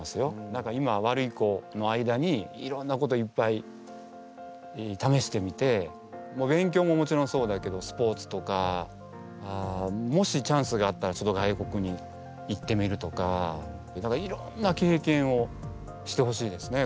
だから今ワルイコの間にいろんなこといっぱいためしてみて勉強ももちろんそうだけどスポーツとかもしチャンスがあったら外国に行ってみるとかいろんな経験をしてほしいですね